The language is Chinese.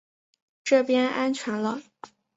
这边安全了